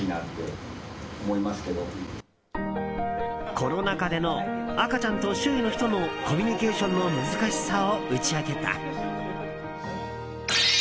コロナ禍での赤ちゃんと周囲の人のコミュニケーションの難しさを打ち明けた。